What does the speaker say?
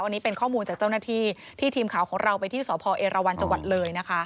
อันนี้เป็นข้อมูลจากเจ้าหน้าที่ที่ทีมข่าวของเราไปที่สพเอราวันจังหวัดเลยนะคะ